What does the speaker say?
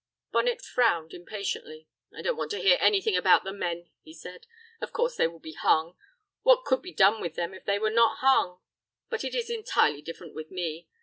Bonnet frowned impatiently. "I don't want to hear anything about the men," he said; "of course they will be hung. What could be done with them if they were not hung? But it is entirely different with me.